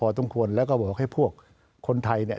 ก็ต้องควรแล้วก็บอกให้พวกคนไทย